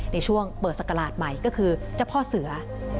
ในช่วงเปิดศักราชใหม่ก็คือเจ้าพ่อเสือ